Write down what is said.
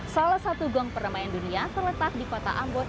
salah satu gong pegamaian dunia terletak di kota ambon